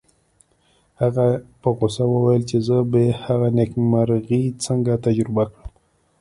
هغې په غوسه وویل چې زه به هغه نېکمرغي څنګه تجربه کړم